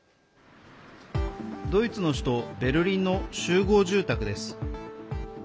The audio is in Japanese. ドイツの首都ベルリンの集合住宅です。